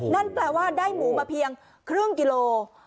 นั่นแปลว่าได้หมูมาเพียงครึ่งกิโล